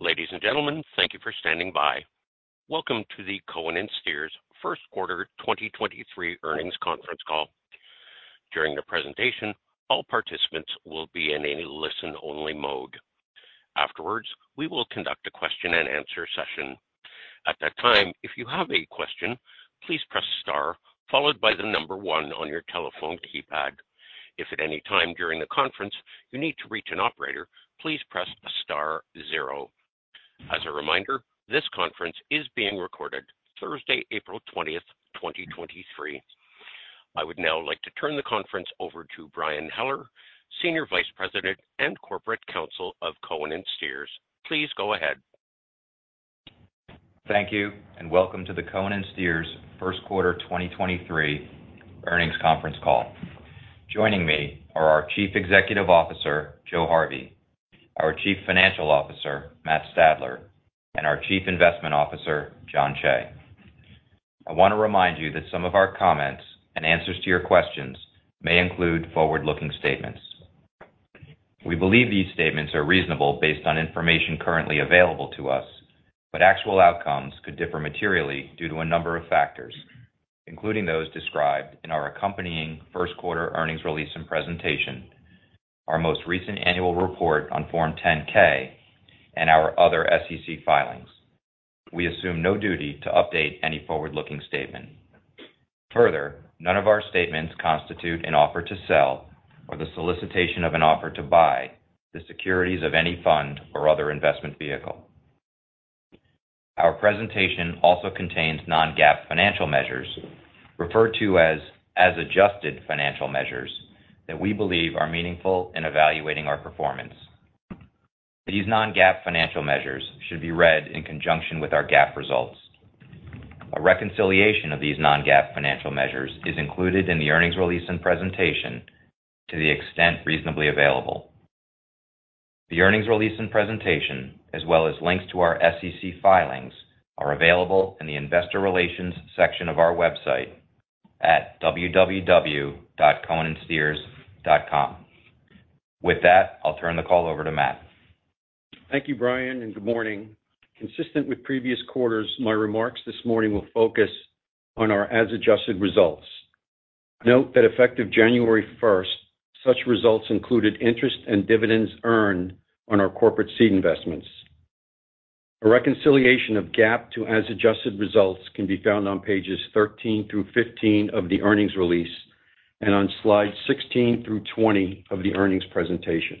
Ladies and gentlemen, thank you for standing by. Welcome to the Cohen & Steers first quarter 2023 earnings conference call. During the presentation, all participants will be in a listen-only mode. Afterwards, we will conduct a question-and-answer session. At that time, if you have a question, please press star followed by one on your telephone keypad. If at any time during the conference you need to reach an operator, please press star zero. As a reminder, this conference is being recorded Thursday, April 20th, 2023. I would now like to turn the conference over to Brian Heller, Senior Vice President and Corporate Counsel of Cohen & Steers. Please go ahead. Thank you. Welcome to the Cohen & Steers first quarter 2023 earnings conference call. Joining me are our Chief Executive Officer, Joe Harvey, our Chief Financial Officer, Matt Stadler, and our Chief Investment Officer, Jon Cheigh. I want to remind you that some of our comments and answers to your questions may include forward-looking statements. We believe these statements are reasonable based on information currently available to us, but actual outcomes could differ materially due to a number of factors, including those described in our accompanying first quarter earnings release and presentation, our most recent annual report on Form 10-K and our other SEC filings. We assume no duty to update any forward-looking statement. None of our statements constitute an offer to sell or the solicitation of an offer to buy the securities of any fund or other investment vehicle. Our presentation also contains non-GAAP financial measures referred to as as adjusted financial measures that we believe are meaningful in evaluating our performance. These non-GAAP financial measures should be read in conjunction with our GAAP results. A reconciliation of these non-GAAP financial measures is included in the earnings release and presentation to the extent reasonably available. The earnings release and presentation, as well as links to our SEC filings, are available in the investor relations section of our website at www.cohenandsteers.com. With that, I'll turn the call over to Matt. Thank you, Brian, and good morning. Consistent with previous quarters, my remarks this morning will focus on our as adjusted results. Note that effective January 1st, such results included interest and dividends earned on our corporate seed investments. A reconciliation of GAAP to as adjusted results can be found on pages 13 through 15 of the earnings release and on slides 16 through 20 of the earnings presentation.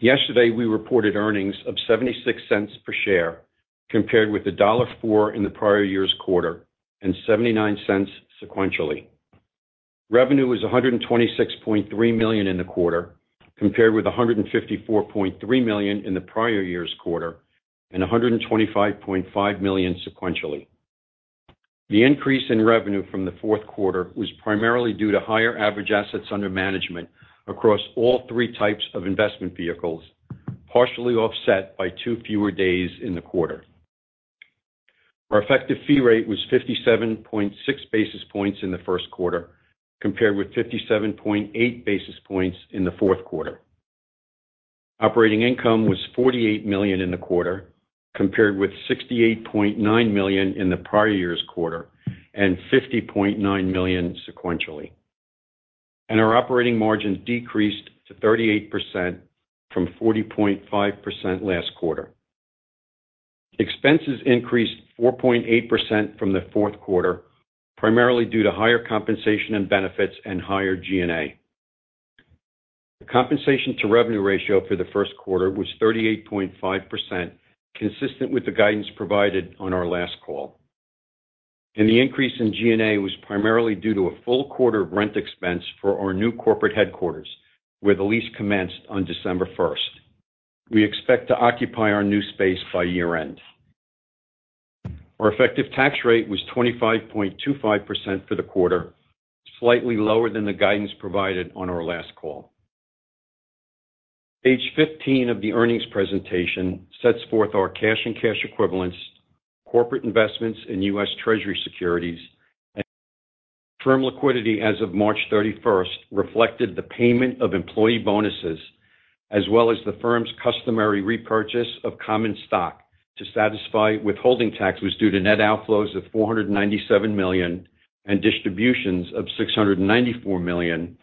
Yesterday, we reported earnings of $0.76 per share, compared with $1.04 in the prior year's quarter, and $0.79 sequentially. Revenue was $126.3 million in the quarter, compared with $154.3 million in the prior year's quarter, and $125.5 million sequentially. The increase in revenue from the fourth quarter was primarily due to higher average assets under management across all three types of investment vehicles, partially offset by two fewer days in the quarter. Our effective fee rate was 57.6 basis points in the first quarter, compared with 57.8 basis points in the fourth quarter. Operating income was $48 million in the quarter, compared with $68.9 million in the prior year's quarter, and $50.9 million sequentially. Our operating margins decreased to 38% from 40.5% last quarter. Expenses increased 4.8% from the fourth quarter, primarily due to higher compensation and benefits and higher G&A. The compensation to revenue ratio for the first quarter was 38.5%, consistent with the guidance provided on our last call. The increase in G&A was primarily due to a full quarter of rent expense for our new corporate headquarters, where the lease commenced on December first. We expect to occupy our new space by year-end. Our effective tax rate was 25.25% for the quarter, slightly lower than the guidance provided on our last call. Page 15 of the earnings presentation sets forth our cash and cash equivalents, corporate investments in U.S. Treasury securities. Firm liquidity as of March thirty-first reflected the payment of employee bonuses, as well as the firm's customary repurchase of common stock to satisfy withholding tax was due to net outflows of $497 million and distributions of $694 million,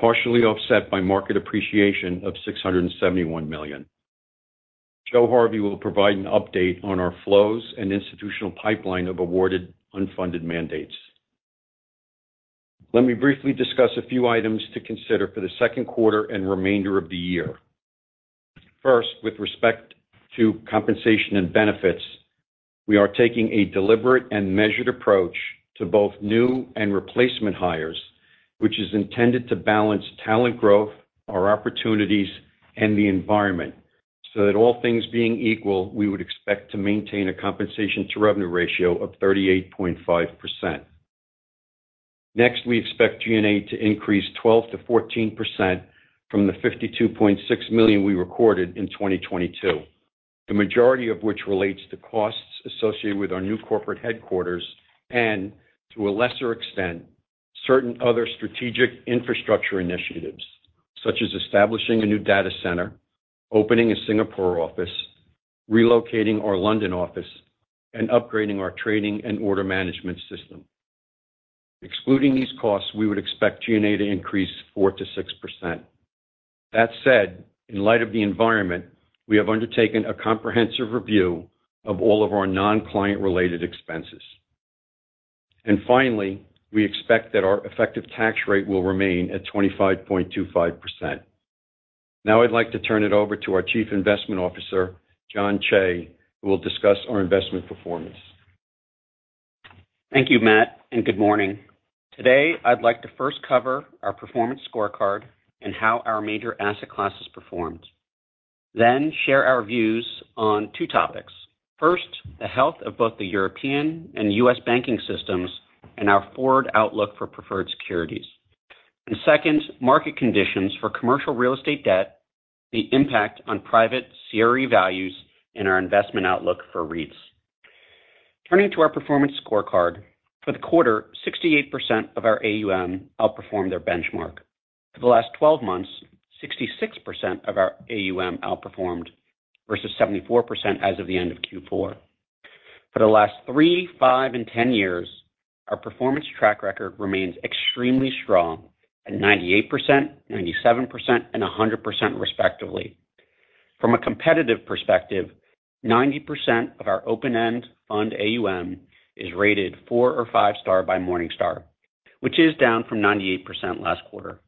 partially offset by market appreciation of $671 million. Joe Harvey will provide an update on our flows and institutional pipeline of awarded unfunded mandates. Let me briefly discuss a few items to consider for the second quarter and remainder of the year. First, with respect to compensation and benefits, we are taking a deliberate and measured approach to both new and replacement hires, which is intended to balance talent growth, our opportunities, and the environment, so that all things being equal, we would expect to maintain a compensation to revenue ratio of 38.5%. We expect G&A to increase 12%-14% from the $52.6 million we recorded in 2022. The majority of which relates to costs associated with our new corporate headquarters, and to a lesser extent, certain other strategic infrastructure initiatives such as establishing a new data center, opening a Singapore office, relocating our London office, and upgrading our trading and order management system. Excluding these costs, we would expect G&A to increase 4%-6%. In light of the environment, we have undertaken a comprehensive review of all of our non-client related expenses. Finally, we expect that our effective tax rate will remain at 25.25%. I'd like to turn it over to our Chief Investment Officer, Jon Cheigh, who will discuss our investment performance. Thank you, Matt, and good morning. Today, I'd like to first cover our performance scorecard and how our major asset classes performed. Share our views on two topics. First, the health of both the European and U.S. banking systems and our forward outlook for preferred securities. Second, market conditions for commercial real estate debt, the impact on private CRE values, and our investment outlook for REITs. Turning to our performance scorecard, for the quarter, 68% of our AUM outperformed their benchmark. For the last 12 months, 66% of our AUM outperformed versus 74% as of the end of Q4. For the last three, five, and 10 years, our performance track record remains extremely strong at 98%, 97%, and 100% respectively. From a competitive perspective, 90% of our open-end fund AUM is rated 4-star or 5-star by Morningstar, which is down from 98% last quarter.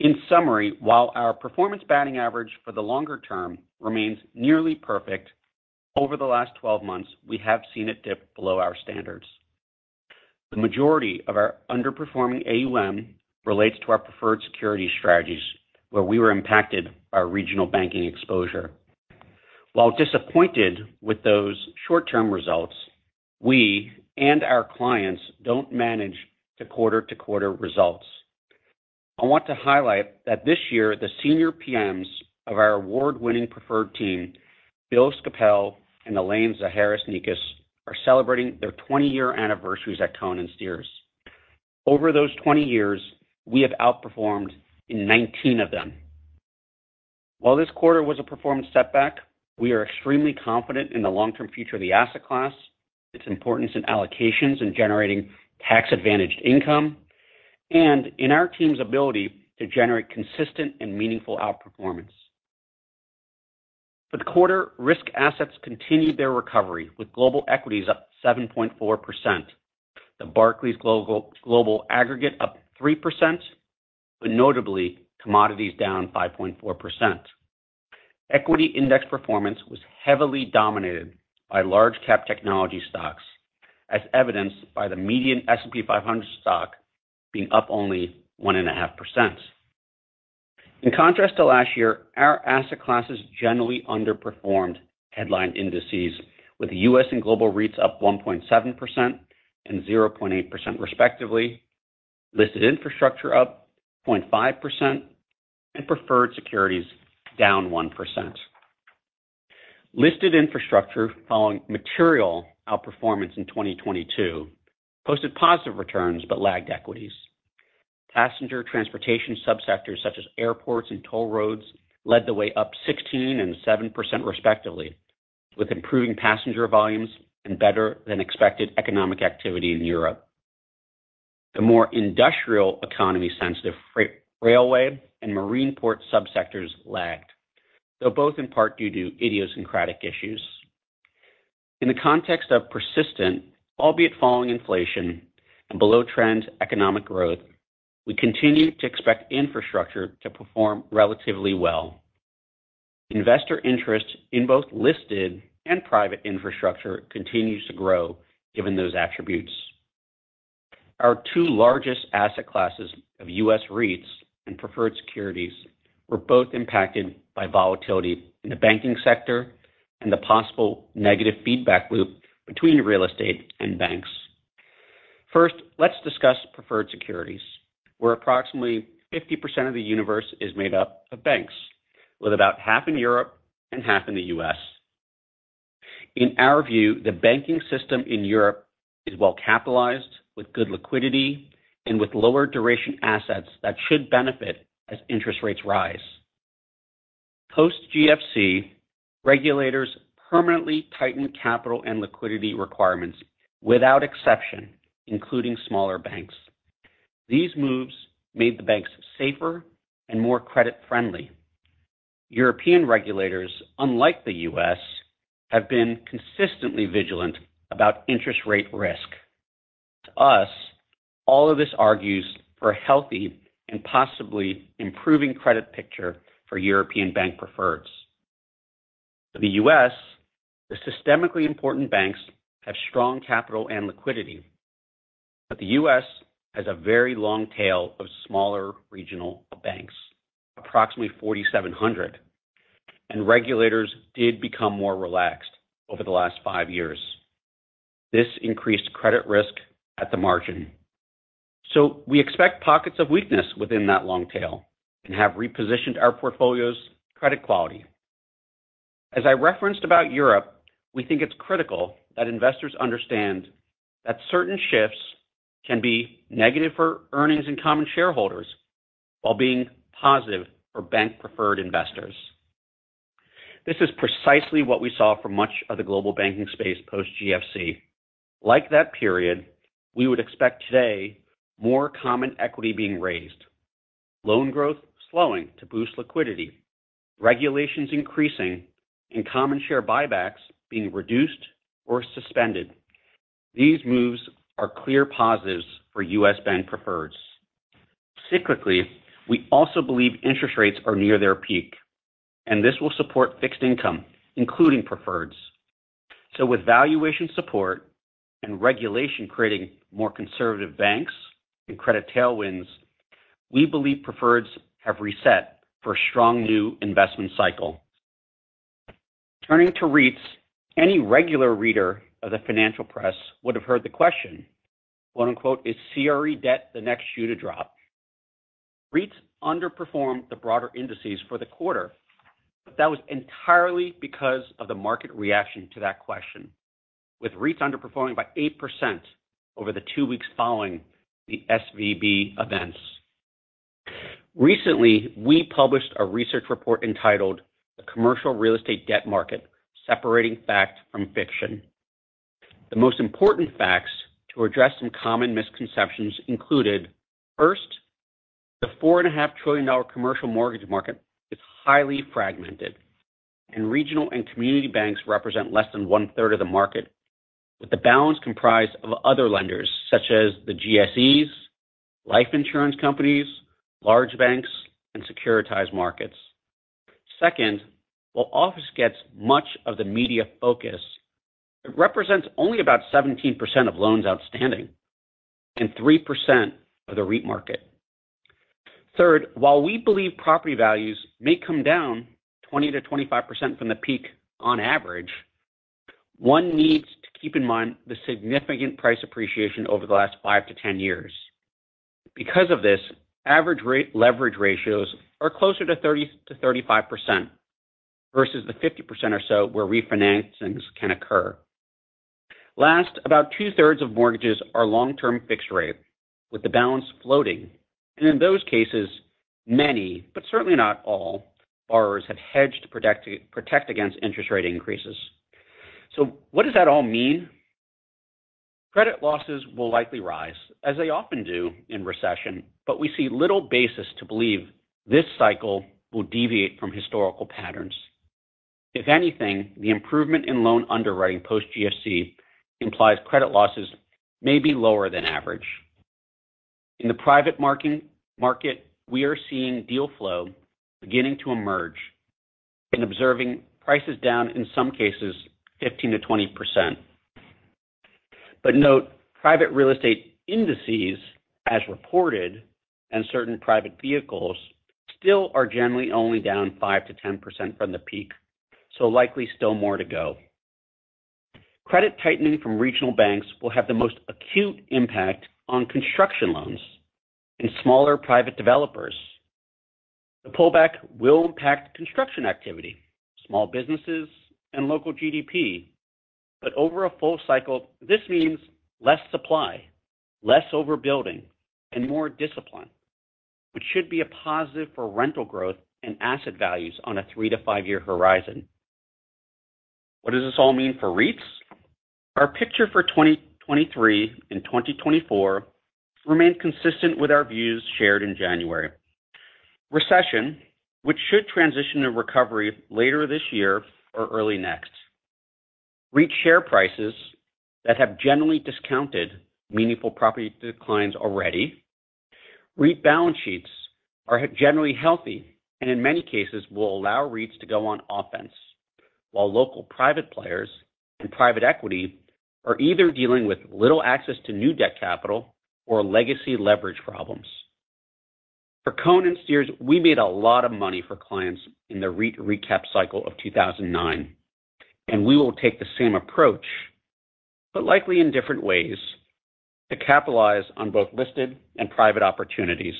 In summary, while our performance batting average for the longer term remains nearly perfect, over the last 12 months, we have seen it dip below our standards. The majority of our underperforming AUM relates to our preferred security strategies, where we were impacted our regional banking exposure. While disappointed with those short-term results, we and our clients don't manage the quarter-to-quarter results. I want to highlight that this year, the senior PMs of our award-winning preferred team, Bill Scapell and Elaine Zaharis-Nikas, are celebrating their 20-year anniversaries at Cohen & Steers. Over those 20 years, we have outperformed in 19 of them. While this quarter was a performance setback, we are extremely confident in the long-term future of the asset class, its importance in allocations in generating tax-advantaged income, and in our team's ability to generate consistent and meaningful outperformance. For the quarter, risk assets continued their recovery, with global equities up 7.4%, the Barclays Global Aggregate up 3%, notably, commodities down 5.4%. Equity index performance was heavily dominated by large cap technology stocks, as evidenced by the median S&P 500 stock being up only 1.5%. In contrast to last year, our asset classes generally underperformed headline indices, with U.S. and global REITs up 1.7% and 0.8% respectively. Listed infrastructure up 0.5%, preferred securities down 1%. Listed infrastructure following material outperformance in 2022 posted positive returns but lagged equities. Passenger transportation subsectors such as airports and toll roads led the way up 16% and 7% respectively, with improving passenger volumes and better-than-expected economic activity in Europe. The more industrial economy-sensitive freight, railway, and marine port subsectors lagged, though both in part due to idiosyncratic issues. In the context of persistent, albeit falling inflation and below-trend economic growth, we continue to expect infrastructure to perform relatively well. Investor interest in both listed and private infrastructure continues to grow given those attributes. Our two largest asset classes of U.S. REITs and preferred securities were both impacted by volatility in the banking sector and the possible negative feedback loop between real estate and banks. First, let's discuss preferred securities, where approximately 50% of the universe is made up of banks, with about half in Europe and half in the U.S. In our view, the banking system in Europe is well-capitalized, with good liquidity, and with lower duration assets that should benefit as interest rates rise. Post GFC, regulators permanently tightened capital and liquidity requirements without exception, including smaller banks. These moves made the banks safer and more credit-friendly. European regulators, unlike the U.S., have been consistently vigilant about interest rate risk. To us, all of this argues for a healthy and possibly improving credit picture for European bank preferreds. For the U.S., the systemically important banks have strong capital and liquidity. The U.S. has a very long tail of smaller regional banks, approximately 4,700. Regulators did become more relaxed over the last five years. This increased credit risk at the margin. We expect pockets of weakness within that long tail and have repositioned our portfolio's credit quality. As I referenced about Europe, we think it's critical that investors understand that certain shifts can be negative for earnings and common shareholders while being positive for bank-preferred investors. This is precisely what we saw from much of the global banking space post-GFC. Like that period, we would expect today more common equity being raised, loan growth slowing to boost liquidity, regulations increasing, and common share buybacks being reduced or suspended. These moves are clear positives for U.S. bank preferreds. Cyclically, we also believe interest rates are near their peak, and this will support fixed income, including preferreds. With valuation support and regulation creating more conservative banks and credit tailwinds, we believe preferreds have reset for a strong new investment cycle. Turning to REITs, any regular reader of the financial press would have heard the question, "Is CRE debt the next shoe to drop?" REITs underperformed the broader indices for the quarter. That was entirely because of the market reaction to that question, with REITs underperforming by 8% over the two weeks following the SVB events. Recently, we published a research report entitled The Commercial Real Estate Debt Market: Separating Fact from Fiction. The most important facts to address some common misconceptions included, first, the four and a half trillion dollar commercial mortgage market is highly fragmented, and regional and community banks represent less than 1/3 of the market, with the balance comprised of other lenders, such as the GSEs, life insurance companies, large banks, and securitized markets. Second, while office gets much of the media focus, it represents only about 17% of loans outstanding and 3% of the REIT market. Third, while we believe property values may come down 20%-25% from the peak on average, one needs to keep in mind the significant price appreciation over the last 5-10 years. Because of this, average rate leverage ratios are closer to 30%-35% versus the 50% or so where refinancings can occur. Last, about 2/3 of mortgages are long-term fixed rate with the balance floating. In those cases, many, but certainly not all, borrowers have hedged to protect against interest rate increases. What does that all mean? Credit losses will likely rise, as they often do in recession, but we see little basis to believe this cycle will deviate from historical patterns. If anything, the improvement in loan underwriting post-GFC implies credit losses may be lower than average. In the private market, we are seeing deal flow beginning to emerge and observing prices down, in some cases, 15%-20%. Note, private real estate indices, as reported, and certain private vehicles still are generally only down 5%-10% from the peak, so likely still more to go. Credit tightening from regional banks will have the most acute impact on construction loans and smaller private developers. The pullback will impact construction activity, small businesses, and local GDP. Over a full cycle, this means less supply, less overbuilding, and more discipline, which should be a positive for rental growth and asset values on a 3-5-year horizon. What does this all mean for REITs? Our picture for 2023 and 2024 remain consistent with our views shared in January. Recession, which should transition to recovery later this year or early next. REIT share prices that have generally discounted meaningful property declines already. REIT balance sheets are generally healthy and in many cases will allow REITs to go on offense while local private players and private equity are either dealing with little access to new debt capital or legacy leverage problems. For Cohen & Steers, we made a lot of money for clients in the REIT recap cycle of 2009, and we will take the same approach, but likely in different ways, to capitalize on both listed and private opportunities.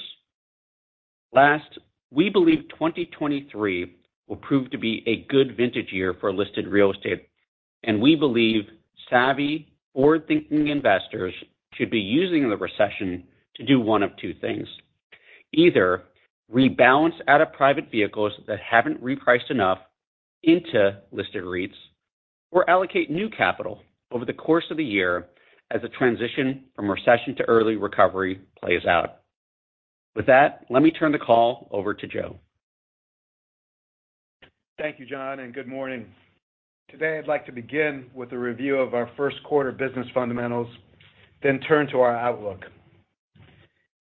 Last, we believe 2023 will prove to be a good vintage year for listed real estate, and we believe savvy forward-thinking investors should be using the recession to do one of two things. Either rebalance out of private vehicles that haven't repriced enough into listed REITs or allocate new capital over the course of the year as the transition from recession to early recovery plays out. With that, let me turn the call over to Joe. Thank you, Jon. Good morning. Today, I'd like to begin with a review of our first quarter business fundamentals, then turn to our outlook.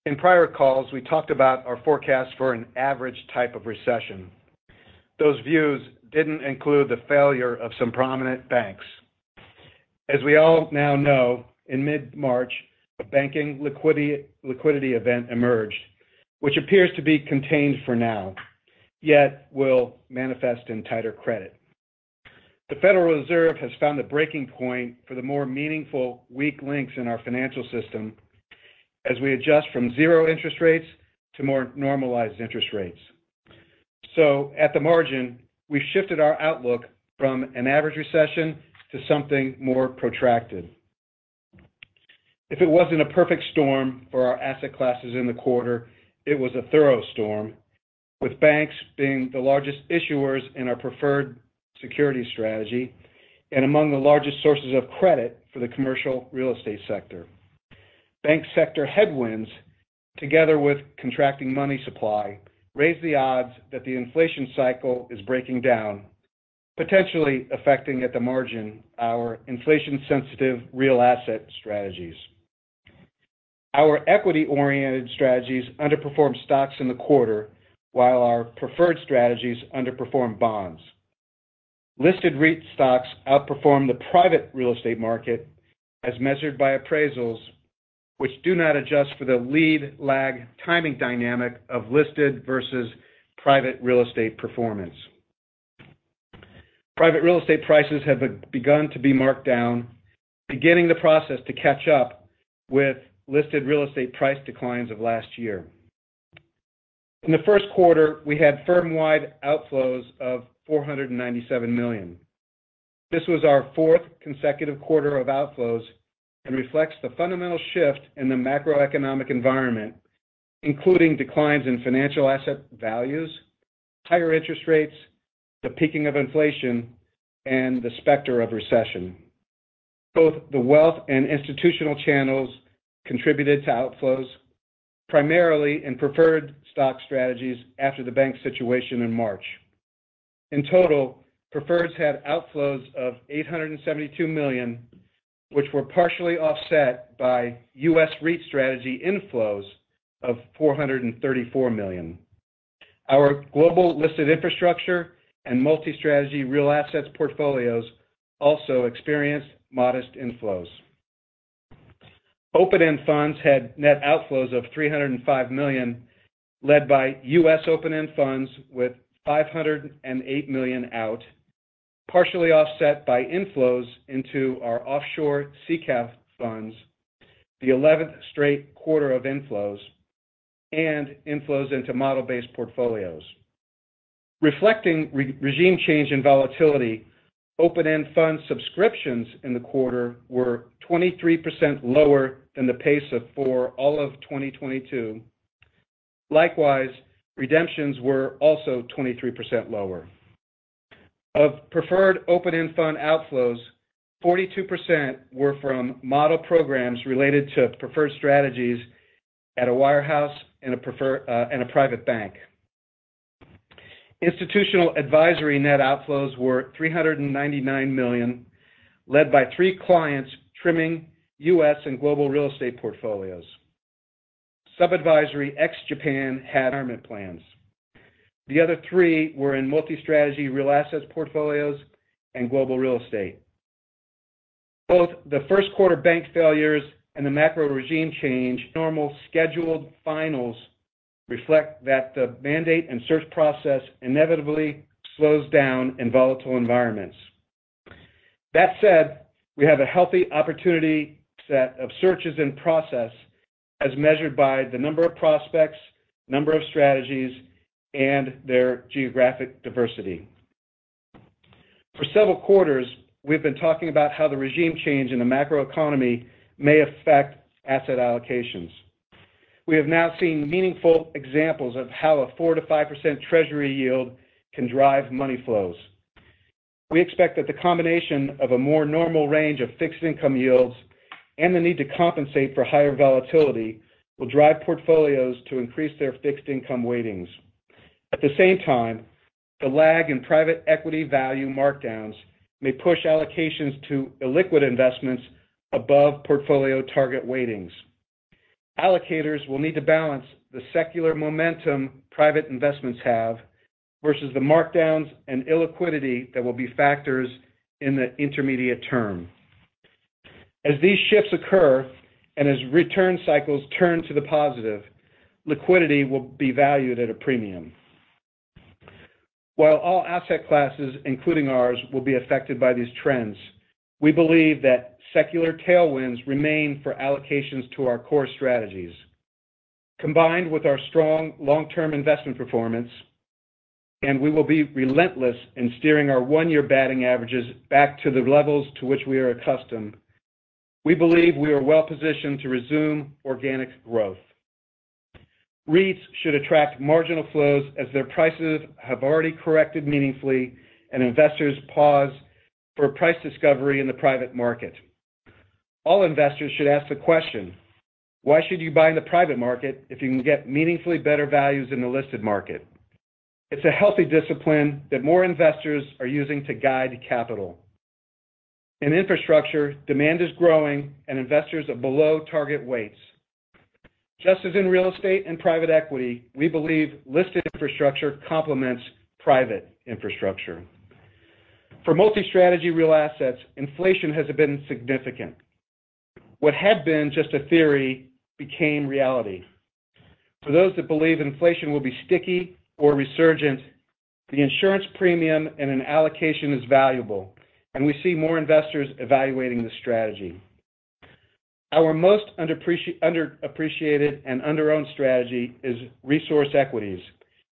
In prior calls, we talked about our forecast for an average type of recession. Those views didn't include the failure of some prominent banks. As we all now know, in mid-March, a banking liquidity event emerged, which appears to be contained for now.yet will manifest in tighter credit. The Federal Reserve has found a breaking point for the more meaningful weak links in our financial system as we adjust from zero interest rates to more normalized interest rates. At the margin, we shifted our outlook from an average recession to something more protracted. If it wasn't a perfect storm for our asset classes in the quarter, it was a thorough storm, with banks being the largest issuers in our preferred security strategy and among the largest sources of credit for the commercial real estate sector. Bank sector headwinds, together with contracting money supply, raise the odds that the inflation cycle is breaking down, potentially affecting at the margin our inflation-sensitive real asset strategies. Our equity-oriented strategies underperformed stocks in the quarter, while our preferred strategies underperformed bonds. Listed REIT stocks outperformed the private real estate market as measured by appraisals, which do not adjust for the lead-lag timing dynamic of listed versus private real estate performance. Private real estate prices have begun to be marked down, beginning the process to catch up with listed real estate price declines of last year. In the first quarter, we had firm-wide outflows of $497 million. This was our fourth consecutive quarter of outflows and reflects the fundamental shift in the macroeconomic environment, including declines in financial asset values, higher interest rates, the peaking of inflation, and the specter of recession. Both the wealth and institutional channels contributed to outflows, primarily in preferred stock strategies after the bank situation in March. In total, preferreds had outflows of $872 million, which were partially offset by U.S. REIT strategy inflows of $434 million. Our global listed infrastructure and multi-strategy real assets portfolios also experienced modest inflows. Open-end funds had net outflows of $305 million, led by U.S. open-end funds with $508 million out, partially offset by inflows into our offshore CSPF funds, the 11th straight quarter of inflows, and inflows into model-based portfolios. Reflecting regime change in volatility, open-end fund subscriptions in the quarter were 23% lower than the pace of for all of 2022. Likewise, redemptions were also 23% lower. Of preferred open-end fund outflows, 42% were from model programs related to preferred strategies at a wirehouse and a prefer, and a private bank. Institutional advisory net outflows were $399 million, led by three clients trimming U.S. and global real estate portfolios. Sub-advisory ex-Japan had armament plans. The other three were in multi-strategy real assets portfolios and global real estate. Both the first quarter bank failures and the macro regime change normal scheduled finals reflect that the mandate and search process inevitably slows down in volatile environments. That said, we have a healthy opportunity set of searches in process as measured by the number of prospects, number of strategies, and their geographic diversity. For several quarters, we have been talking about how the regime change in the macroeconomy may affect asset allocations. We have now seen meaningful examples of how a 4%-5% treasury yield can drive money flows. We expect that the combination of a more normal range of fixed-income yields and the need to compensate for higher volatility will drive portfolios to increase their fixed-income weightings. At the same time, the lag in private equity value markdowns may push allocations to illiquid investments above portfolio target weightings. Allocators will need to balance the secular momentum private investments have versus the markdowns and illiquidity that will be factors in the intermediate term. As these shifts occur and as return cycles turn to the positive, liquidity will be valued at a premium. While all asset classes, including ours, will be affected by these trends, we believe that secular tailwinds remain for allocations to our core strategies. Combined with our strong long-term investment performance, and we will be relentless in steering our one-year batting averages back to the levels to which we are accustomed. We believe we are well-positioned to resume organic growth. REITs should attract marginal flows as their prices have already corrected meaningfully and investors pause for price discovery in the private market. All investors should ask the question, why should you buy in the private market if you can get meaningfully better values in the listed market? It's a healthy discipline that more investors are using to guide capital. In infrastructure, demand is growing and investors are below target weights. Just as in real estate and private equity, we believe listed infrastructure complements private infrastructure. For multi-strategy real assets, inflation has been significant. What had been just a theory became reality. For those that believe inflation will be sticky or resurgent, the insurance premium in an allocation is valuable, and we see more investors evaluating the strategy. Our most underappreciated and underowned strategy is resource equities,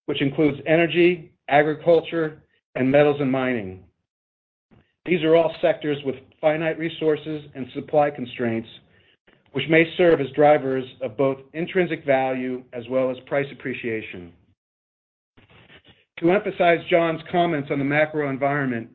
which includes energy, agriculture, and metals and mining. These are all sectors with finite resources and supply constraints, which may serve as drivers of both intrinsic value as well as price appreciation. To emphasize Jon's comments on the macro environment,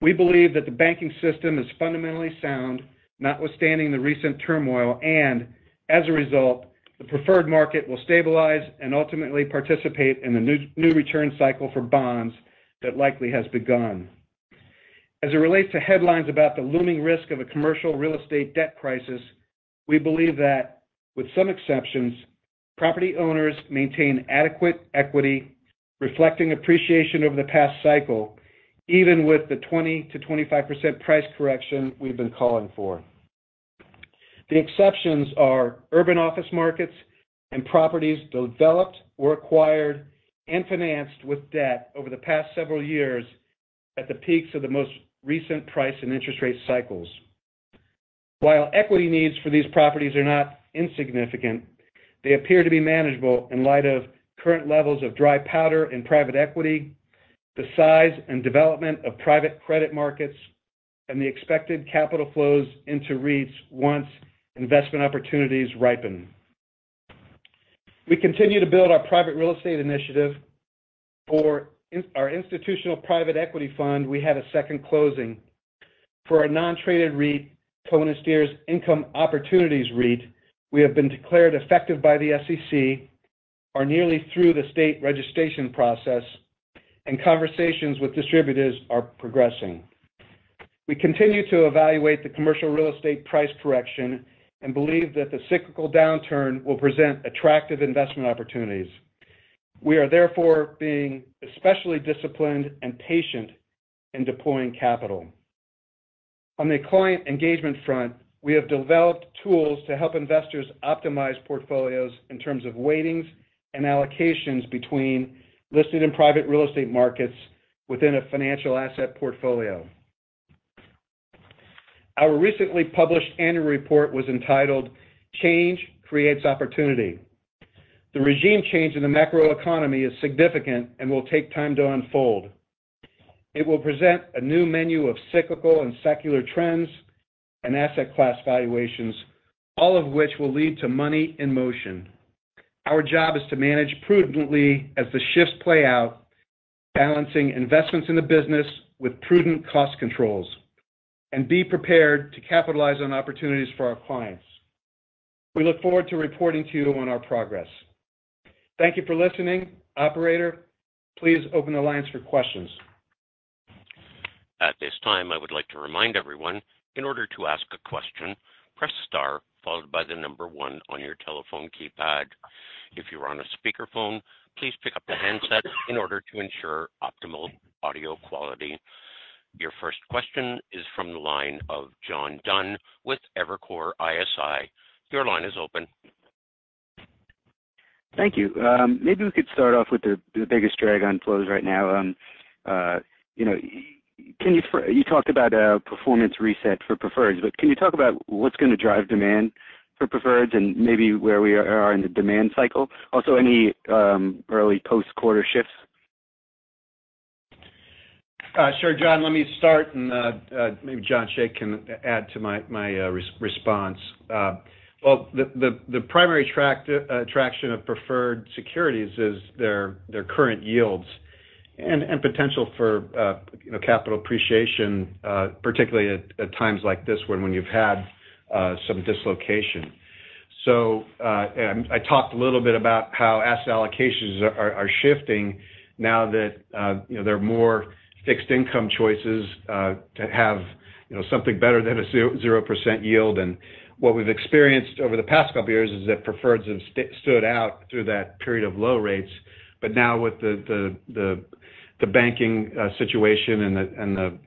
we believe that the banking system is fundamentally sound, notwithstanding the recent turmoil, and as a result, the preferred market will stabilize and ultimately participate in the new return cycle for bonds that likely has begun. As it relates to headlines about the looming risk of a commercial real estate debt crisis, we believe that, with some exceptions, property owners maintain adequate equity, reflecting appreciation over the past cycle, even with the 20%-25% price correction we've been calling for. The exceptions are urban office markets and properties developed or acquired and financed with debt over the past several years at the peaks of the most recent price and interest rate cycles. While equity needs for these properties are not insignificant, they appear to be manageable in light of current levels of dry powder and private equity, the size and development of private credit markets, and the expected capital flows into REITs once investment opportunities ripen. We continue to build our private real estate initiative. For our institutional private equity fund, we had a second closing. For our non-traded REIT, Cohen & Steers Income Opportunities REIT, we have been declared effective by the SEC, are nearly through the state registration process, and conversations with distributors are progressing. We continue to evaluate the commercial real estate price correction and believe that the cyclical downturn will present attractive investment opportunities. We are therefore being especially disciplined and patient in deploying capital. On the client engagement front, we have developed tools to help investors optimize portfolios in terms of weightings and allocations between listed and private real estate markets within a financial asset portfolio. Our recently published annual report was entitled Change Creates Opportunity. The regime change in the macroeconomy is significant and will take time to unfold. It will present a new menu of cyclical and secular trends and asset class valuations, all of which will lead to money in motion. Our job is to manage prudently as the shifts play out, balancing investments in the business with prudent cost controls, and be prepared to capitalize on opportunities for our clients. We look forward to reporting to you on our progress. Thank you for listening. Operator, please open the lines for questions. At this time, I would like to remind everyone, in order to ask a question, press star followed by one on your telephone keypad. If you are on a speakerphone, please pick up the handset in order to ensure optimal audio quality. Your first question is from the line of John Dunn with Evercore ISI. Your line is open. Thank you. Maybe we could start off with the biggest drag on flows right now. You know, You talked about a performance reset for preferreds, but can you talk about what's gonna drive demand for preferreds and maybe where we are in the demand cycle? Also, any early post-quarter shifts? Sure. John, let me start and maybe Jon Cheigh can add to my response. Well, the primary attraction of preferred securities is their current yields and potential for, you know, capital appreciation, particularly at times like this when you've had some dislocation. And I talked a little bit about how asset allocations are shifting now that, you know, there are more fixed income choices to have, you know, something better than a 0% yield. And what we've experienced over the past couple years is that preferreds have stood out through that period of low rates. Now with the banking situation and the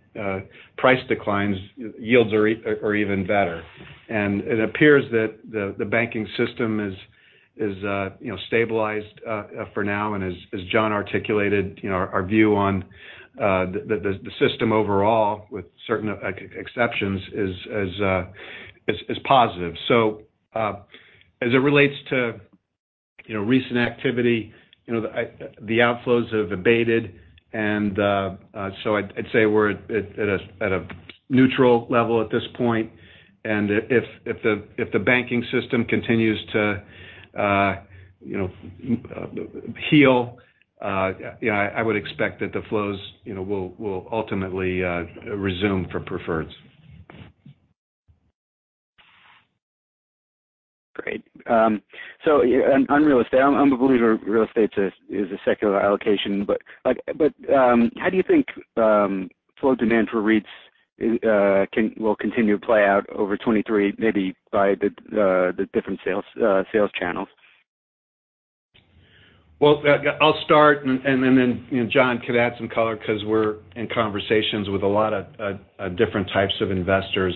price declines, yields are even better. It appears that the banking system is, you know, stabilized for now. As Jon articulated, you know, our view on the system overall, with certain exceptions, is positive. As it relates to, you know, recent activity, you know, the outflows have abated. So I'd say we're at a neutral level at this point. If the banking system continues to, you know, heal, you know, I would expect that the flows, you know, will ultimately resume for preferreds. Great. Yeah, on real estate, I'm a believer real estate's a secular allocation. How do you think flow demand for REITs will continue to play out over 2023, maybe by the different sales channels? I'll start and then, you know, Jon could add some color 'cause we're in conversations with a lot of different types of investors.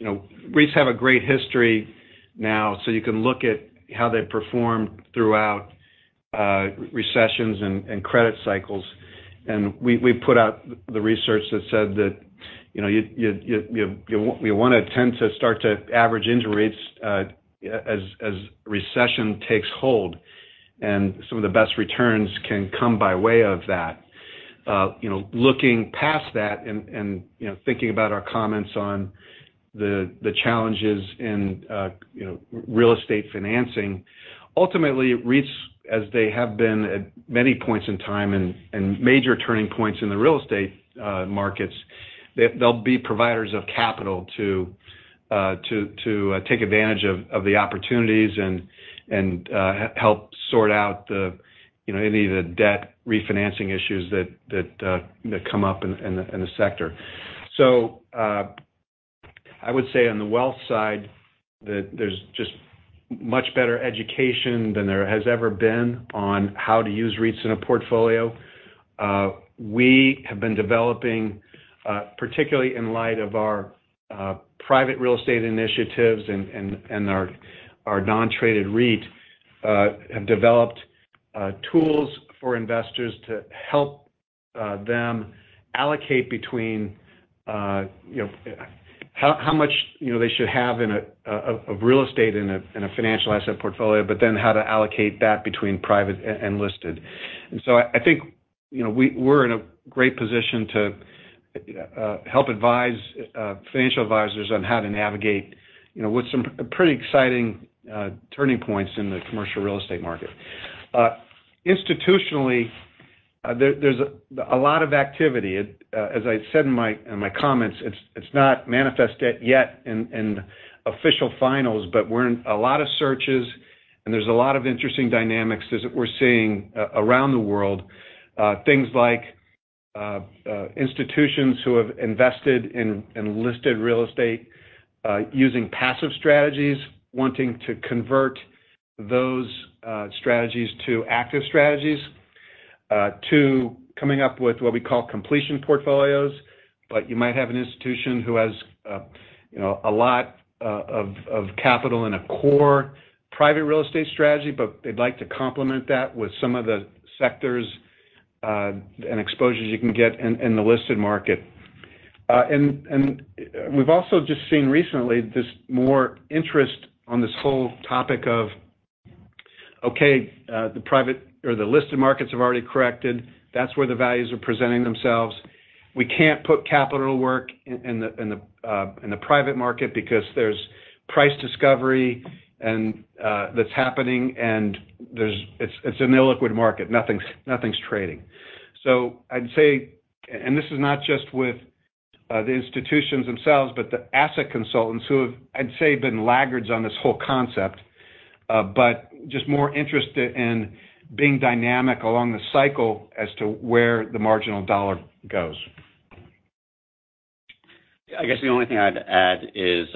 You know, REITs have a great history now, so you can look at how they perform throughout recessions and credit cycles. We put out the research that said that, you know, you wanna tend to start to average into REITs as recession takes hold, and some of the best returns can come by way of that. you know, looking past that and, you know, thinking about our comments on the challenges in real estate financing, ultimately, REITs, as they have been at many points in time and major turning points in the real estate markets, they'll be providers of capital to take advantage of the opportunities and help sort out the, you know, any of the debt refinancing issues that come up in the sector. I would say on the wealth side, there's just much better education than there has ever been on how to use REITs in a portfolio. We have been developing, particularly in light of our private real estate initiatives and our non-traded REIT, have developed tools for investors to help them allocate between, you know, how much, you know, they should have in a of real estate in a financial asset portfolio, but then how to allocate that between private and listed. I think, you know, we're in a great position to help advise financial advisors on how to navigate, you know, with some pretty exciting turning points in the commercial real estate market. Institutionally, there's a lot of activity. As I said in my comments, it's not manifested yet in official finals, but we're in a lot of searches, and there's a lot of interesting dynamics as we're seeing around the world, things like institutions who have invested in enlisted real estate, using passive strategies, wanting to convert those strategies to active strategies, to coming up with what we call completion portfolios. You might have an institution who has, you know, a lot of capital in a core private real estate strategy, but they'd like to complement that with some of the sectors and exposures you can get in the listed market. We've also just seen recently this more interest on this whole topic of, okay, the private or the listed markets have already corrected. That's where the values are presenting themselves. We can't put capital work in the private market because there's price discovery and that's happening, and it's an illiquid market. Nothing's trading. I'd say, and this is not just with the institutions themselves, but the asset consultants who have, I'd say, been laggards on this whole concept, just more interested in being dynamic along the cycle as to where the marginal dollar goes. I guess the only thing I'd add is,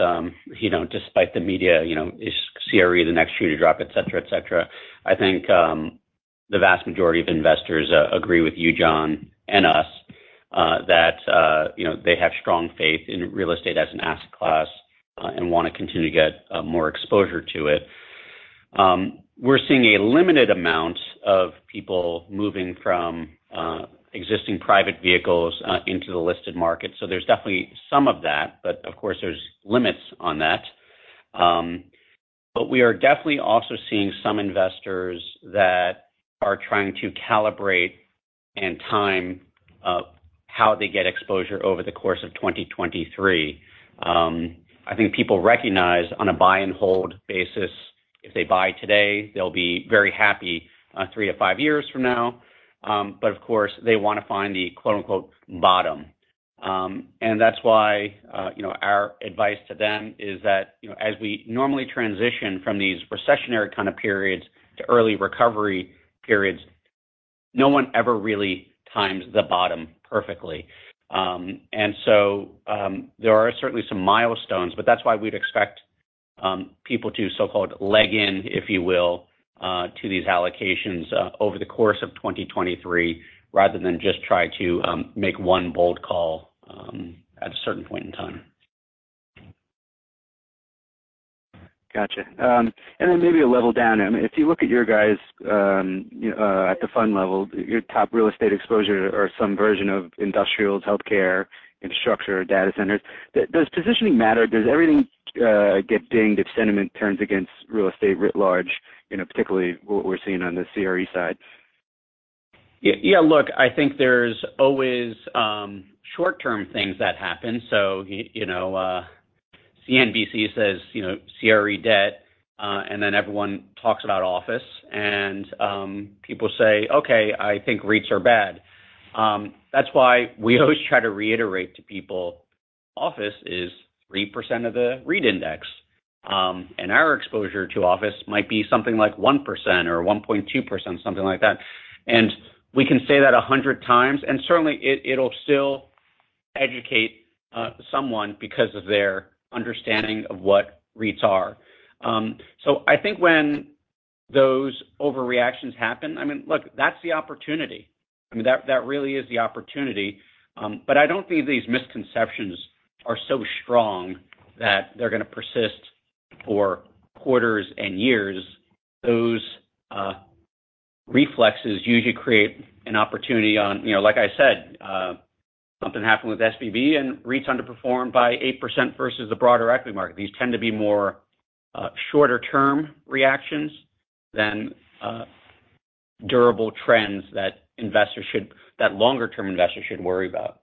you know, despite the media, you know, is CRE the next shoe to drop, et cetera, et cetera, I think the vast majority of investors agree with you, John, and us, that, you know, they have strong faith in real estate as an asset class, and wanna continue to get more exposure to it. We're seeing a limited amount of people moving from existing private vehicles into the listed market. There's definitely some of that, but of course, there's limits on that. We are definitely also seeing some investors that are trying to calibrate and time how they get exposure over the course of 2023. I think people recognize on a buy and hold basis, if they buy today, they'll be very happy, 3-5 years from now. Of course, they wanna find the quote, unquote bottom. That's why, you know, our advice to them is that, you know, as we normally transition from these recessionary kind of periods to early recovery periods, no one ever really times the bottom perfectly. There are certainly some milestones, but that's why we'd expect people to so-called leg in, if you will, to these allocations, over the course of 2023, rather than just try to make one bold call at a certain point in time. Gotcha. Then maybe a level down. I mean, if you look at your guys, at the fund level, your top real estate exposure or some version of industrials, healthcare, infrastructure, data centers, does positioning matter? Does everything get dinged if sentiment turns against real estate writ large, you know, particularly what we're seeing on the CRE side? Look, I think there's always short-term things that happen. you know, CNBC says, you know, CRE debt, and then everyone talks about office. people say, "Okay, I think REITs are bad." That's why we always try to reiterate to people, office is 3% of the REIT index. Our exposure to office might be something like 1% or 1.2%, something like that. We can say that 100 times, and certainly it'll still educate someone because of their understanding of what REITs are. I think when those overreactions happen, I mean, look, that's the opportunity. I mean, that really is the opportunity. I don't think these misconceptions are so strong that they're gonna persist for quarters and years. Those reflexes usually create an opportunity on, you know, like I said, something happened with SVB, and REITs underperformed by 8% versus the broader equity market. These tend to be more shorter-term reactions than durable trends that longer-term investors should worry about.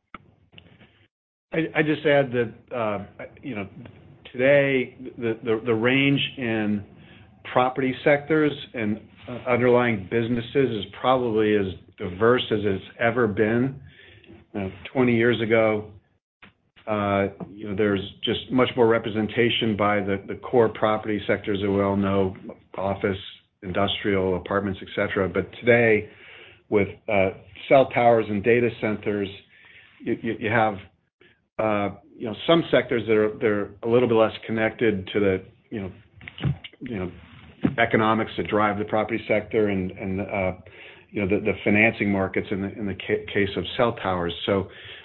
I just add that, you know, today, the range in property sectors and underlying businesses is probably as diverse as it's ever been. 20 years ago, you know, there's just much more representation by the core property sectors that we all know, office, industrial, apartments, et cetera. Today, with cell towers and data centers, you have, you know, some sectors that are a little bit less connected to the, you know, economics that drive the property sector and, you know, the financing markets in the case of cell towers.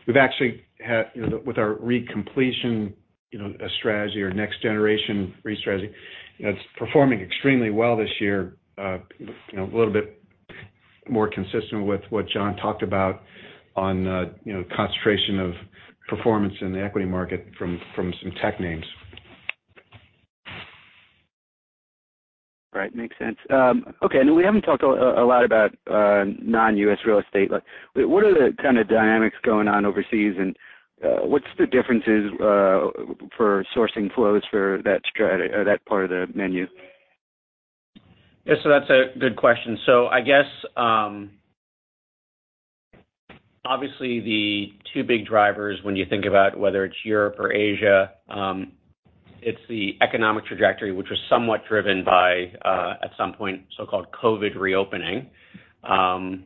We've actually had, you know, with our recompletion, you know, strategy or next-generation state-of-the-art working environment, you know, it's performing extremely well this year, you know, a little bit more consistent with what Jon talked about on, you know, concentration of performance in the equity market from some tech names. Right. Makes sense. Okay. Now, we haven't talked a lot about, non-U.S. real estate. Like, what are the kind of dynamics going on overseas, and, what's the differences, for sourcing flows for that strategy or that part of the menu? That's a good question. I guess, obviously the two big drivers when you think about whether it's Europe or Asia, it's the economic trajectory, which was somewhat driven by at some point, so-called COVID reopening. Sorry,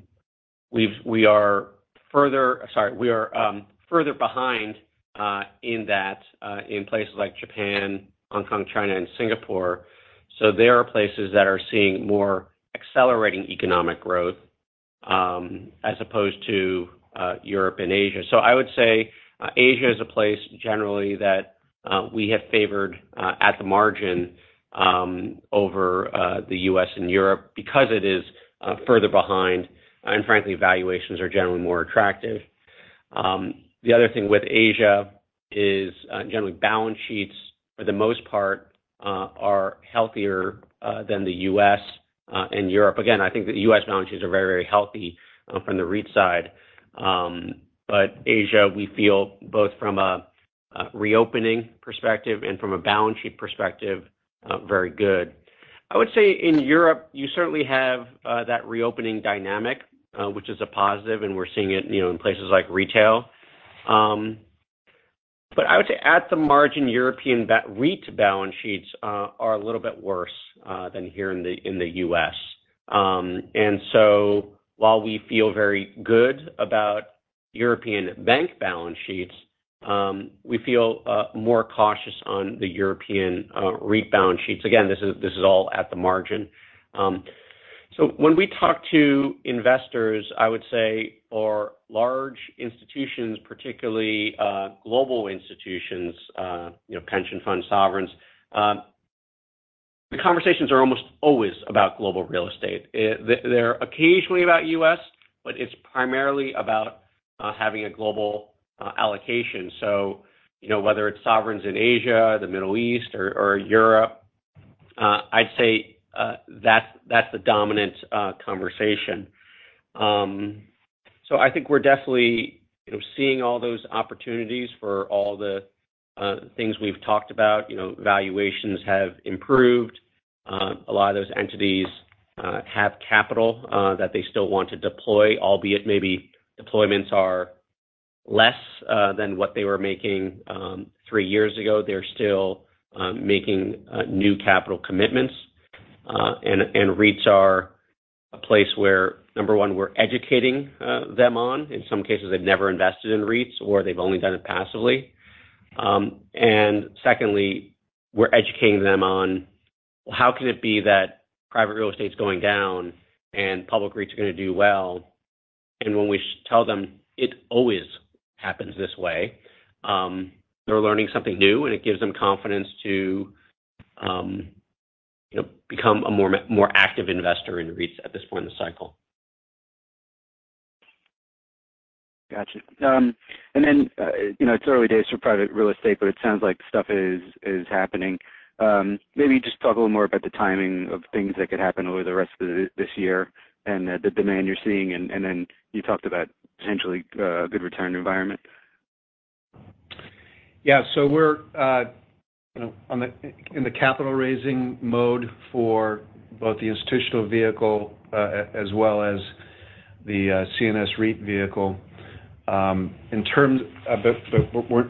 we are further behind in that, in places like Japan, Hong Kong, China, and Singapore. There are places that are seeing more accelerating economic growth, as opposed to Europe and Asia. I would say, Asia is a place generally that we have favored at the margin over the U.S. and Europe because it is further behind, and frankly, valuations are generally more attractive. The other thing with Asia is, generally balance sheets, for the most part, are healthier than the U.S. and Europe. Again, I think the U.S. balance sheets are very, very healthy from the REIT side. Asia, we feel both from a reopening perspective and from a balance sheet perspective, very good. I would say in Europe, you certainly have that reopening dynamic, which is a positive, and we're seeing it, you know, in places like retail. I would say at the margin, European REIT balance sheets are a little bit worse than here in the U.S. While we feel very good about European bank balance sheets, we feel more cautious on the European REIT balance sheets. Again, this is all at the margin. When we talk to investors, I would say our large institutions, particularly global institutions, you know, pension funds, sovereigns, the conversations are almost always about global real estate. They're occasionally about U.S., but it's primarily about having a global allocation. You know, whether it's sovereigns in Asia, the Middle East or Europe, I'd say that's the dominant conversation. I think we're definitely, you know, seeing all those opportunities for all the things we've talked about. You know, valuations have improved. A lot of those entities have capital that they still want to deploy, albeit maybe deployments are less than what they were making three years ago. They're still making new capital commitments. REITs are a place where, number one, we're educating them on. In some cases, they've never invested in REITs, or they've only done it passively. Secondly, we're educating them on, how can it be that private real estate's going down and public REITs are gonna do well? When we tell them it always happens this way, they're learning something new, and it gives them confidence to, you know, become a more active investor in REITs at this point in the cycle. Gotcha. You know, it's early days for private real estate, but it sounds like stuff is happening. Maybe just talk a little more about the timing of things that could happen over the rest of this year and the demand you're seeing, and then you talked about potentially good return environment. Yeah. We're, you know, in the capital-raising mode for both the institutional vehicle, as well as the CNS REIT vehicle. But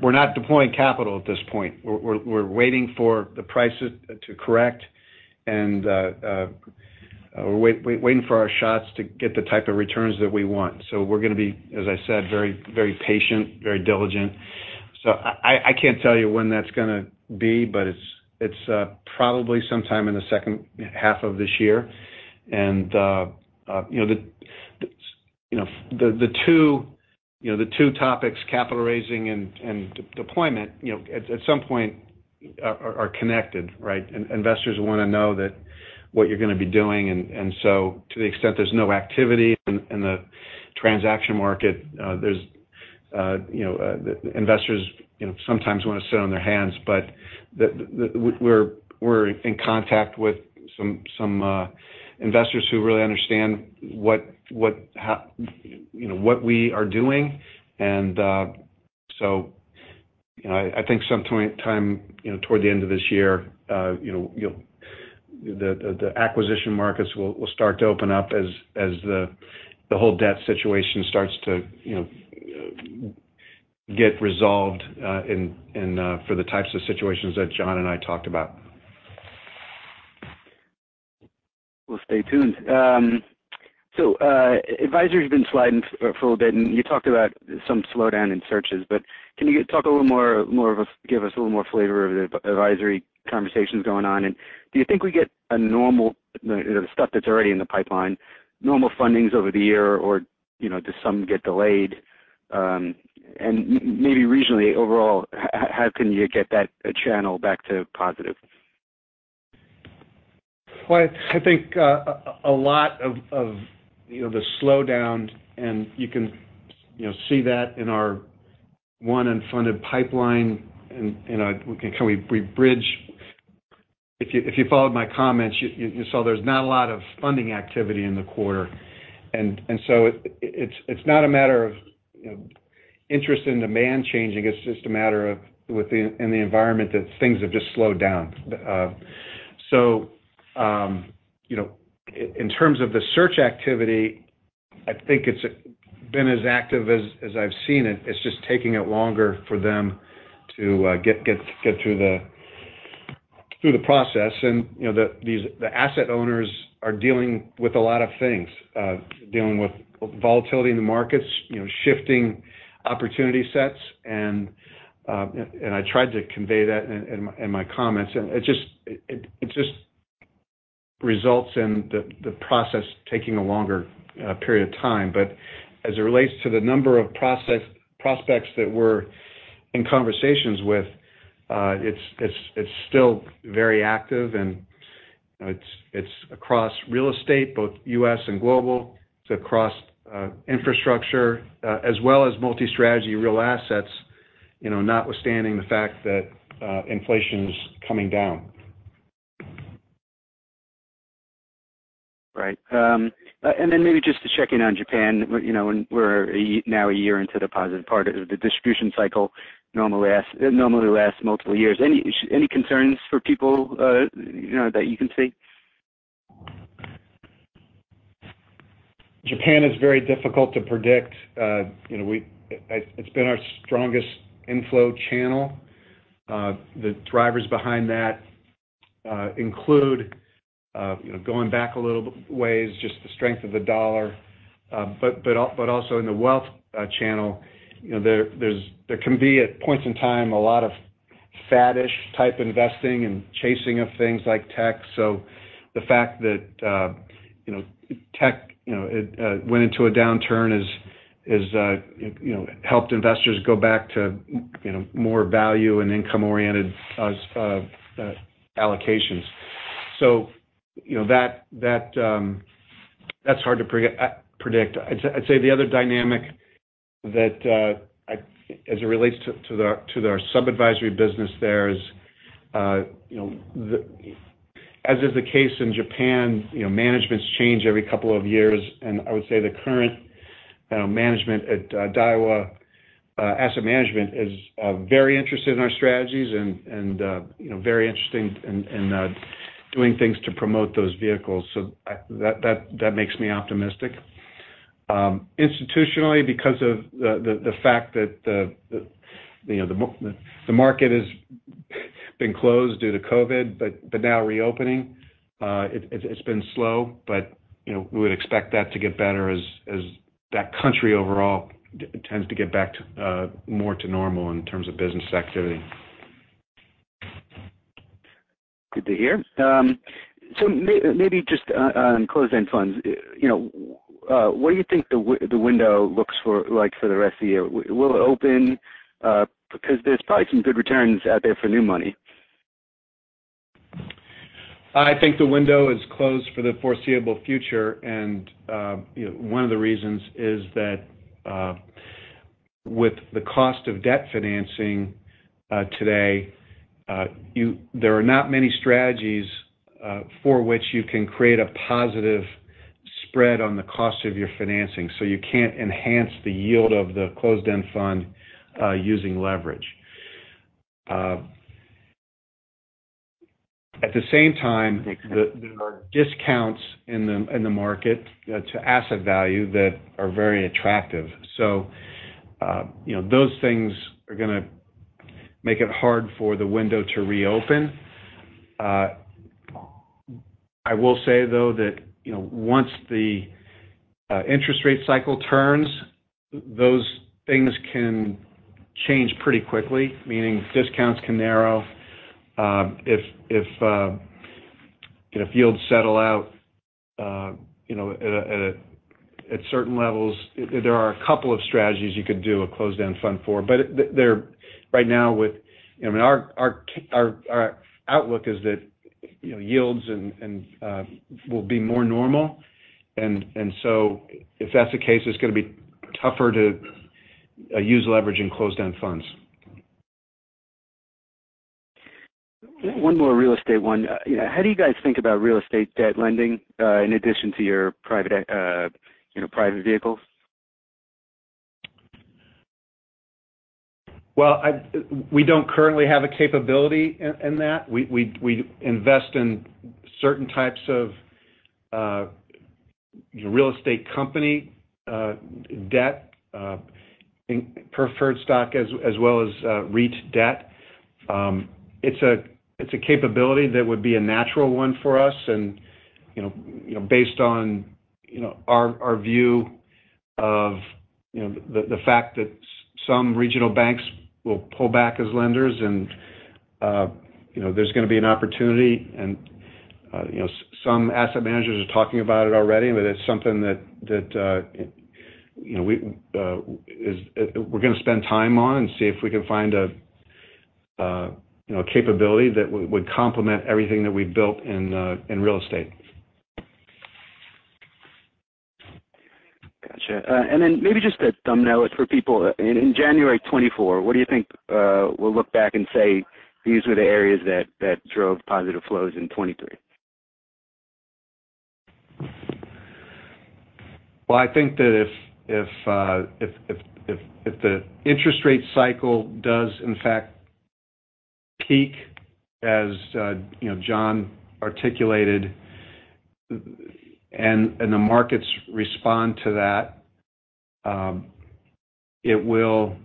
we're not deploying capital at this point. We're waiting for the prices to correct and, we're waiting for our shots to get the type of returns that we want. We're gonna be, as I said, very patient, very diligent. I can't tell you when that's gonna be, but it's probably sometime in the second half of this year. You know, the two topics, capital raising and deployment, you know, at some point are connected, right? Investors wanna know that what you're gonna be doing. To the extent there's no activity in the transaction market, there's, you know, investors, you know, sometimes wanna sit on their hands. The we're in contact with some investors who really understand what, you know, what we are doing. You know, I think some time, you know, toward the end of this year, you know, you'll the acquisition markets will start to open up as the whole debt situation starts to, you know, get resolved, and for the types of situations that Jon and I talked about. We'll stay tuned. Advisory has been sliding for a bit, and you talked about some slowdown in searches. Can you talk a little more, give us a little more flavor of the advisory conversations going on? Do you think we get a normal, you know, the stuff that's already in the pipeline, normal fundings over the year or, you know, does some get delayed? Maybe regionally, overall, how can you get that channel back to positive? Well, I think, a lot of, you know, the slowdown, and you can, you know, see that in our one unfunded pipeline and in our bridge. If you followed my comments, you saw there's not a lot of funding activity in the quarter. It's not a matter of, you know, interest and demand changing. It's just a matter of in the environment that things have just slowed down. You know, in terms of the search activity, I think it's been as active as I've seen it. It's just taking it longer for them to get through the process. You know, the asset owners are dealing with a lot of things. Dealing with volatility in the markets, you know, shifting opportunity sets, and I tried to convey that in my comments. It just results in the process taking a longer period of time. As it relates to the number of prospects that we're in conversations with, it's still very active, and, you know, it's across real estate, both U.S. and global. It's across infrastructure, as well as multi-strategy real assets, you know, notwithstanding the fact that inflation's coming down. Right. maybe just to check in on Japan. You know, when we're now a year into the positive part of the distribution cycle, normally lasts multiple years. Any, any concerns for people, you know, that you can see? Japan is very difficult to predict. You know, it's been our strongest inflow channel. The drivers behind that include, you know, going back a little ways, just the strength of the dollar. Also in the wealth channel, you know, there can be, at points in time, a lot of faddish type investing and chasing of things like tech. The fact that, you know, tech, you know, it went into a downturn has, you know, helped investors go back to you know, more value and income-oriented allocations. You know, that's hard to predict. I'd say the other dynamic that as it relates to the sub-advisory business there is, you know, as is the case in Japan, you know, managements change every couple of years. I would say the current management at Daiwa Asset Management is very interested in our strategies and, you know, very interested in doing things to promote those vehicles. That makes me optimistic. Institutionally, because of the fact that the market has been closed due to COVID, but now reopening, it's been slow. You know, we would expect that to get better as that country overall tends to get back to more to normal in terms of business activity. Good to hear. Maybe just on closed-end funds, you know, what do you think the window looks like for the rest of the year? Will it open? Because there's probably some good returns out there for new money. I think the window is closed for the foreseeable future. You know, one of the reasons is that, with the cost of debt financing today, there are not many strategies for which you can create a positive spread on the cost of your financing. You can't enhance the yield of the closed-end fund, using leverage. At the same time. Makes sense.... the, there are discounts in the market to asset value that are very attractive. You know, those things are gonna make it hard for the window to reopen. I will say, though, that, you know, once the interest rate cycle turns, those things can change pretty quickly, meaning discounts can narrow. If, if, you know, yields settle out, you know, at certain levels, there are a couple of strategies you could do a closed-end fund for. But right now with... You know, I mean, our outlook is that, you know, yields and will be more normal. If that's the case, it's gonna be tougher to use leverage in closed-end funds. One more real estate one. You know, how do you guys think about real estate debt lending, in addition to your private, you know, private vehicles? Well, we don't currently have a capability in that. We invest in certain types of real estate company debt, in preferred stock as well as REIT debt. It's a capability that would be a natural one for us and, you know, based on, you know, our view of, you know, the fact that some regional banks will pull back as lenders and, you know, there's gonna be an opportunity and, you know, some asset managers are talking about it already, but it's something that, you know, we're gonna spend time on and see if we can find a, you know, a capability that would complement everything that we've built in real estate. Gotcha. Maybe just a thumbnail for people. In January 2024, what do you think we'll look back and say these were the areas that drove positive flows in 2023? Well, I think that if the interest rate cycle does in fact peak as, you know, Jon articulated and the markets respond to that, it will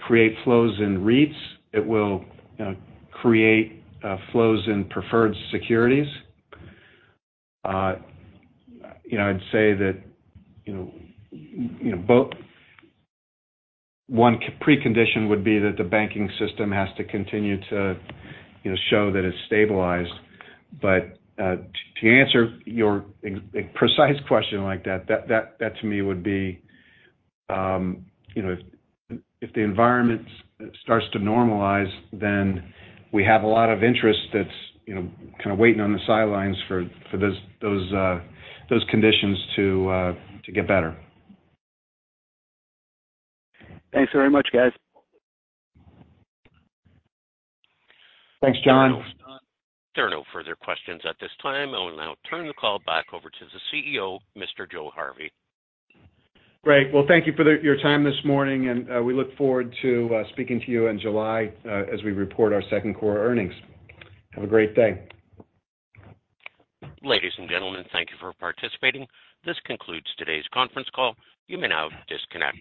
create flows in REITs. It will, you know, create flows in preferred securities. You know, I'd say that, you know, one precondition would be that the banking system has to continue to, you know, show that it's stabilized. To answer your ex-precise question like that to me would be, you know, if the environment starts to normalize, we have a lot of interest that's, you know, kind of waiting on the sidelines for those conditions to get better. Thanks very much, guys. Thanks, John. There are no further questions at this time. I will now turn the call back over to the CEO, Mr. Joseph Harvey. Great. Well, thank you for your time this morning, and we look forward to speaking to you in July as we report our second quarter earnings. Have a great day. Ladies and gentlemen, thank you for participating. This concludes today's conference call. You may now disconnect.